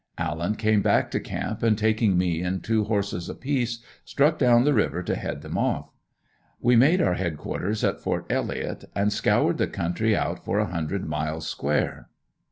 Allen came back to camp and taking me and two horses apiece, struck down the river to head them off. We made our headquarters at Fort Elliott and scoured the country out for a hundred miles square.